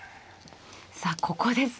さあここですね。